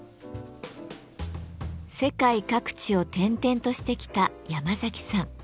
世界各地を転々としてきたヤマザキさん。